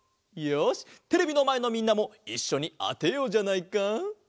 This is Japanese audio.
よしテレビのまえのみんなもいっしょにあてようじゃないか！